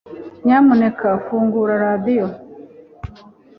nyamuneka fungura radio